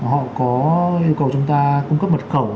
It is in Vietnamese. họ có yêu cầu chúng ta cung cấp mật khẩu